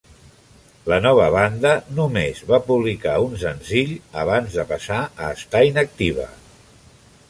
La nova banda només va publicar un senzill abans de passar a estar inactiva.